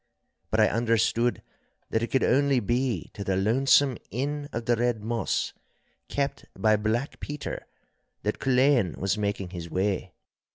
But I understood that it could only be to the lonesome Inn of the Red Moss, kept by Black Peter, that Culzean was making his way.